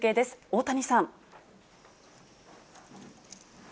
大谷さん。